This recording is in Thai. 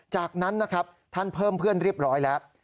จากนั้นนะครับท่านเพิ่มเพื่อนเรียบร้อยแล้ว